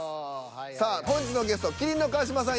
さあ本日のゲスト麒麟の川島さん。